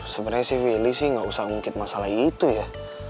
sebenernya sih willy gak usah ngungkit masalah itu ya